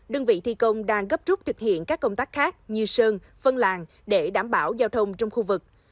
đơn vị thi công đang gấp rút thực hiện các công tác khác như sơn phân làng để đảm bảo giao thông trong khu vực